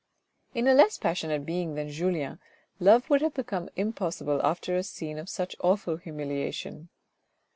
In a less passionate being than Julien love would have become impossible after a scene of such awful humiliation.